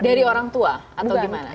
dari orang tua atau gimana